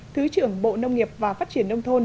thứ trưởng bộ nông nghiệp và phát triển nông thôn